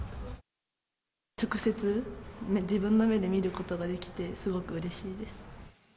直接、自分の目で見ることができてすごくうれしいです。